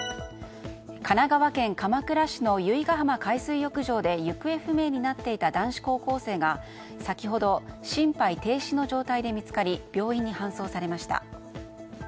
神奈川県鎌倉市の由比ガ浜海水浴場で行方不明になっていた男子高校生が先ほど心肺停止の状態で見つかり病院に搬送されました。